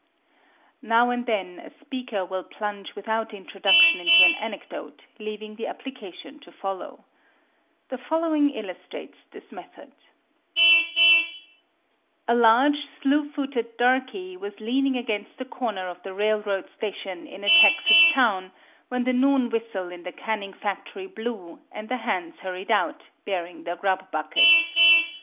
Now and then a speaker will plunge without introduction into an anecdote, leaving the application to follow. The following illustrates this method: A large, slew footed darky was leaning against the corner of the railroad station in a Texas town when the noon whistle in the canning factory blew and the hands hurried out, bearing their grub buckets.